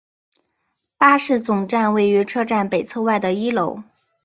巴士总站位于车站北侧外的一楼。